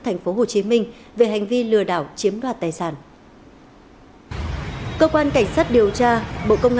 thành phố hồ chí minh về hành vi lừa đảo chiếm đoạt tài sản cơ quan cảnh sát điều tra bộ công